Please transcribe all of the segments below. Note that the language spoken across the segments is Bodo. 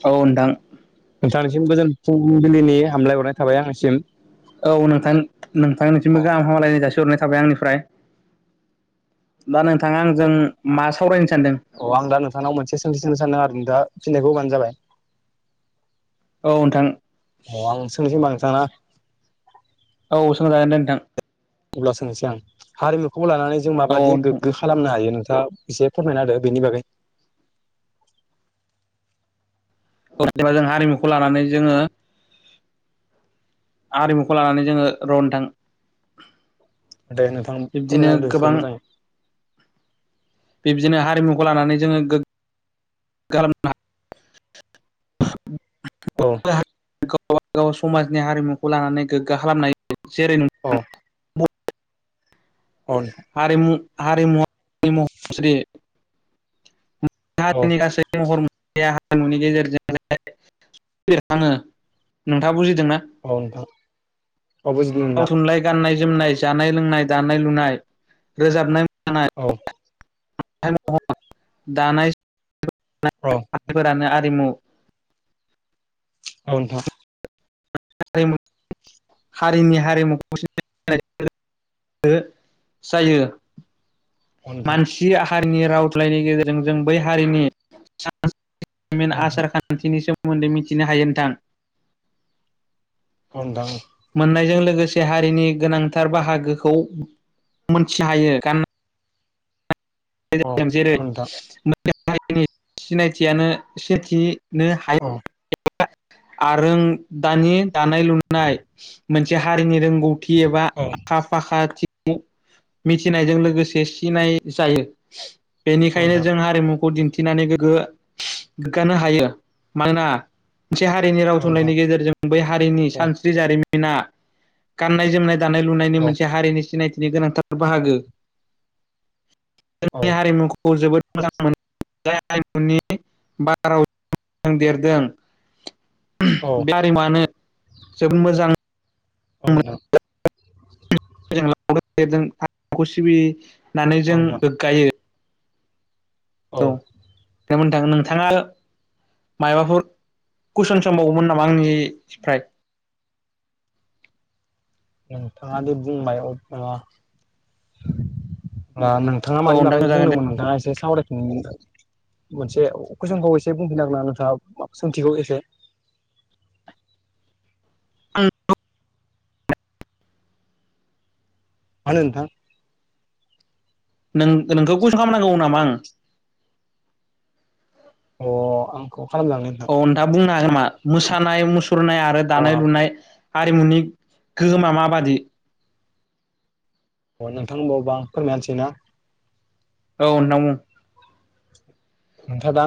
औ नोंथां गोजोन फुंबिलिनि हामलाय हरनाय थाबाय आंनिसिम औ नोंथां नोंथां नोंसिमबो गाहाम हामालायनाय जासि हरनाय थाबाय आंनिफ्राय दा नोंथां। अ आं दा नोंथांनाव मोनसे सोंथि सोंनो सानदों आरो न दा फिनायखौ होबानो जाबाय औ नोंथां अ आं सोंनोसै होनबा नोंथां ना औ सोंजागोन दे नोंथां अब्ला सोंनोसै आं हारिमुखौ लानानै जों औ माबायदि नोंथां गोग्गो खालामनो हायो नों दा एसे फोरमायना होदो बेनि बागै बा जों हारिमुखौ लानानै जोङो। आरिमुखौ लानानै जोङो र' नोंथां दे नोंथां बिब्दिनो फोरमायना होदों गोबां एसे मोजां बिब्दिनो हारिमुखौ लानानै जोङो गोग्ग खालामनो। औ गावबागाव समाजनि हारिमुखौ लानानै गोग्गा खालामनाय जेरै औ नोंथां औ हारिमु हारिमु महर मुस्रि। औ हारिनि गासै महर [inaudible] औ नोंथां औ बुजिदों राव नोंथां थुनलाइ गाननाय जोमनाय जानाय लोंनाय दानाय लुनाय रोजाबनाय मोसानाय औ औ [inaudible] औ नोंथां। हारिमु हारिनि हारिमु [inaudible] जायो। औ नोंथां मानसि हारिनि राव थलाइनि गेजेरजों जों बै हारिनि औ मिन नोंथां आसार खान्थिनि सोमोन्दै मिथिनो हायो नोंथां। औ नोंथां। मोननायजों लोगोसे हारिनि गोनांथार बाहागोखौ मोनथिनो हायो गाननाय [inaudible] औ नोंथां सिनायथियानो सेथि नो औ हाया। आरों दानि दानाय लुनाय मोनसे हारिनि रों गौथि एबा औ आखा फाखा थि मिथिनायजों लोगोसे सिनाय जायो। औ बेनिखायनो नोंथां जों हारिमुखौ दिन्थिनानै गोग्गो गोग्गानो हायो मानोना मोनसे हारिनि राव औ नोंथां थुनलाइनि गेजेरजों बै हारिनि औ सानस्रि जारिमिना गाननाय जोमनाय दानाय लुनायनि औ मोनसे हारिनि सिनायथिनि गोनांथार बाहागो औ जोंनि हारिमुखौ जोबोद मोजां मोन जाय आइमुनि बाराव देरदों। बे नोंथां आरारिमानो जोबोद मोजां औ नोंथां। नोंथां [inaudible] औ [inaudible] नोंथाङा मायबाफोर कुइसन सोंबावगौमोन नामा आंनिफ्राय [inaudible] नोंथाङादि बुंबाय अब्ला नोंथाङा औ मानि बागै नोंथां जागोन दे बुंदोंमोन नोंथाङा एसे सावरायफिनदो। मोनसे कुइसनखौ एसे बुंफिननो हागोनना नोंथाङा सोंथिखौ एसे [inaudible] उम औ मानो नोंथां? नों नोंखौ कुइसन खालामनांगौ नामा आं? अ आंखौ खालामलांनो नोंथां औ नोंथाङा बुंनो हागोन नामा मोसानाय मुसुरनाय आरो अ दानाय लुनाय हारिमुनि गोहोमा माबादि? अ नोंथां [unintelligible] फोरमायनोसै ना? औ नोंथां बुं। नोंथाङा दा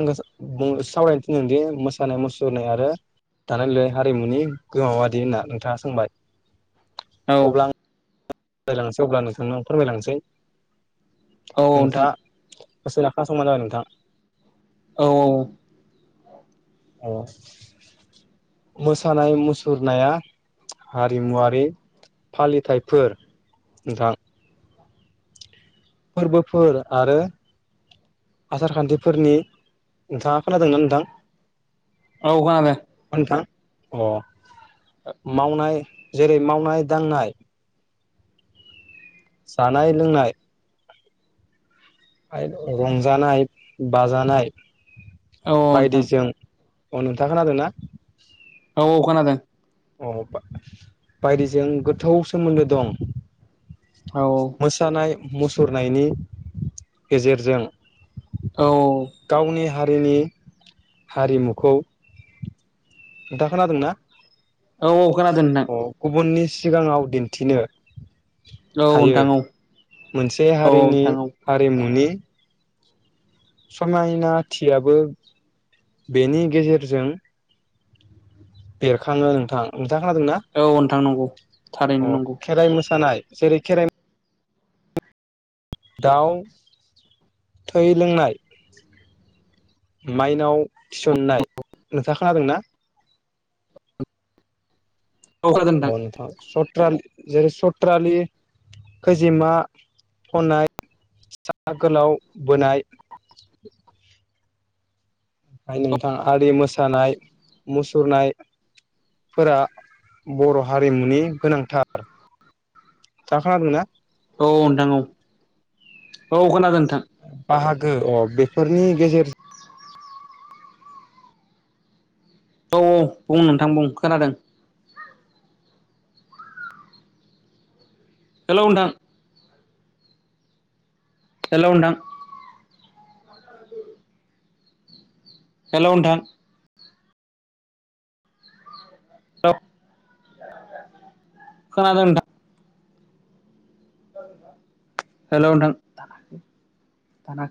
आं सावरायनो थिनदोंदि मोसानाय मुसुरनाय आरो दानाय लुनाय हारिमुनि गोहोमा माबादि होनना नोंथाङा सोंबाय? औ फोरमायलांनोसै अब्ला नोंथांनो फोरमायलांनोसै। औ नोंथां। गोसो लाखा समा जाबाय नोंथां। औ औ औ मोसानाय मुसुरनाया हारिमुवारि फालिथायफोर बा फोरबोफोर आरो आसार खान्थिफोरनि नोंथाङा खोनादोंना नोंथां? औ खोनादों। थां अ मावनाय जेरै मावनाय दांनाय जानाय लोंनाय रंजानाय बाजानाय औ नोंथां बायदिजों अ नोंथाङा खोनादों ना? औ औ खोनादों। अ बायदिजों गोथौ सोमोन्दो दं। औ मोसानाय मुसुरनायनि गेजेरजों औ गावनि हारिनि हारिमुखौ दा खोनादों ना? औ औ खोनादों नोंथां। गुबुननि सिगाङाव दिन्थिनो औ हायो नोंथां औ मोनसे औ हारिनि नोंथां औ हारिमुनि समायनाथियाबो बेनि गेजेरजों बेरखाङो नोंथां नोंथां खोनादोंना औ नोंथां नंगौ थारैनो अ नंगौ खेराइ मोसानाय जेरै खेराइ मो दाउ थै लोंनाय माइनाव थिसननाय नोंथाङा खोनादों ना? औ नोंथां सुद सत जेरै सथ्रालि खैजिमा फनाय सा गोलाव बोनाय आइ नोंथां आरि मोसानाय मुसुरनाय फोरा बर' हारिमुनि गोनांथार। नोंथाङा खोनादों ना? औ औ नोंथां औ औ खोनादों। नोंथां बाहागो अ बेफोरनि गेजेरज औ औ बुं नोंथां बुं खोनादों। हेल' नोंथां हेल' नोंथां। हेल' नोंथां। हेल' खोनादों नोंथां। हेल नोंथां।